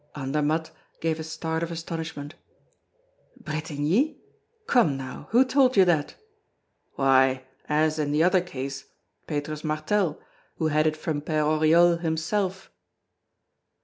Andermatt gave a start of astonishment. "Bretigny? Come now! who told you that?" "Why, as in the other case, Petrus Martel, who had it from Père Oriol himself."